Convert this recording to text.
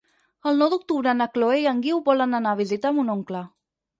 El nou d'octubre na Chloé i en Guiu volen anar a visitar mon oncle.